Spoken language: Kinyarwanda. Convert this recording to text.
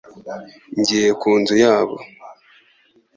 Ngiye ku nzu yabo